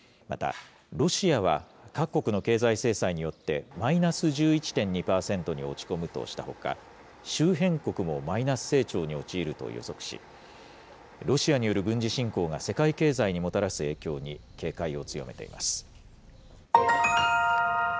またロシアは、各国の経済制裁によってマイナス１１．２％に落ち込むとしたほか、周辺国もマイナス成長に陥ると予測し、ロシアによる軍事侵攻が世界経済にもたらす影響に警戒を強めています。